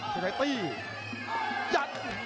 ชัยตียัด